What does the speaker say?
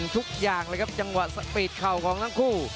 ทุกอย่างเลยครับจังหวะสปีดเข่าของทั้งคู่